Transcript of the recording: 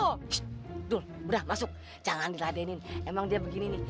aduh udah masuk jangan diladenin emang dia begini nih